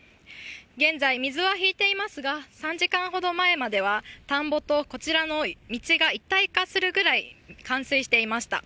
現在、水は引いていますが、３時間ほど前までは田んぼとこちらの道が一体化するくらい冠水していました。